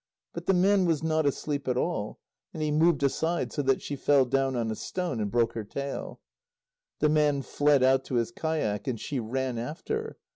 But the man was not asleep at all, and he moved aside so that she fell down on a stone and broke her tail. The man fled out to his kayak. And she ran after.